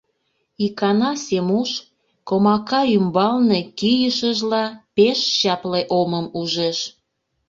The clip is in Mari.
Икана Семуш, комака ӱмбалне кийышыжла, пеш чапле омым ужеш.